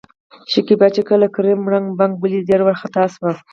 شکيبا چې کله کريم ړنګ، بنګ ولېد ډېره ورخطا شوه.